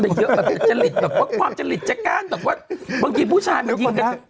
ไปเยอะจริตแบบความจริตจัดการแต่ว่าบางทีผู้ชายมันยิงกัน